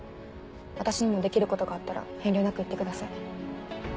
私にもできることがあったら遠慮なく言ってください。